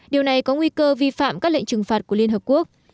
điều này có nguy cơ vi phạm các lệnh trừng phạt của liên hợp quốc